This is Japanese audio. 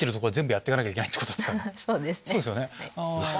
そうですね。